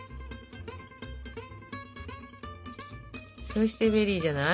そしてベリーじゃない？